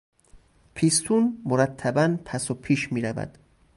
پیستون مرتبا پس و پیش میرود.